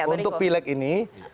untuk pileg ini